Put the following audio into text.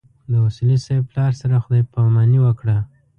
د اصولي صیب پلار سره خدای ج پاماني وکړه.